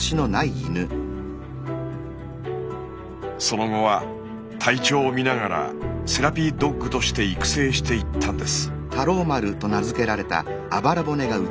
その後は体調を見ながらセラピードッグとして育成していったんです。